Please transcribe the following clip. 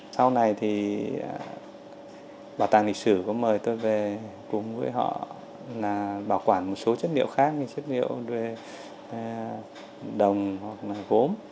sau này thì bảo tàng lịch sử có mời tôi về cùng với họ là bảo quản một số chất liệu khác như chất liệu đồng hoặc là gốm